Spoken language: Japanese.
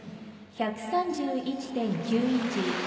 １３１．９１。